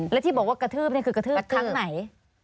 แล้วที่บอกว่ากระทืบนี่คือกระทืบครั้งไหน